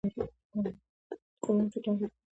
რომაულ ისტორიოგრაფიაში ცნობილია უფრო მეტად, როგორც პრობუსი.